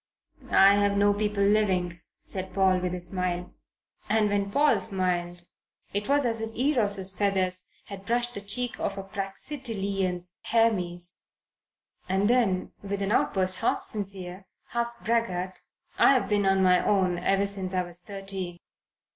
"I've no people living," said Paul, with a smile and when Paul smiled it was as if Eros's feathers had brushed the cheek of a Praxitelean Hermes; and then with an outburst half sincere, half braggart "I've been on my own ever since I was thirteen."